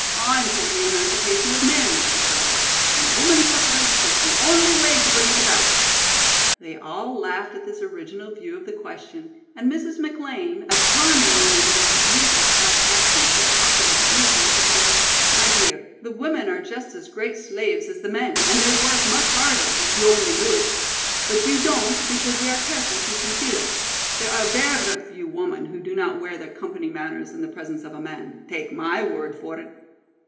I'm for the emancipation of men," he cried, "and Woman's Suffrage is the only way to bring it about." They all laughed at this original view of the question, and Mrs. McLean, a charming woman with a beautiful Scotch accent, impossible to imitate, observed: "My dear, the women are just as great slaves as the men, and they work much harder, if only you knew it. But you don't because we are careful to conceal it. There are vera few women who do not wear their company manners in the presence of a man, take my word for it."